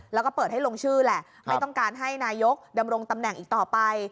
แล้วก็เปิดให้ลงชื่อแหละไม่ต้องการให้นายกดำรงตำแหน่งอีกต่อไป